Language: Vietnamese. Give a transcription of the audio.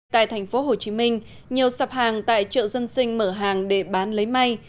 tại thành phố hồ chí minh nhiều sạp hàng tại chợ dân sinh mở hàng để bán lấy may